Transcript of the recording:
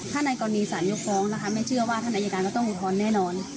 ถ้าในกรณีสารยกฟ้องนะคะแม่เชื่อว่าท่านอายการก็ต้องอุทธรณ์แน่นอน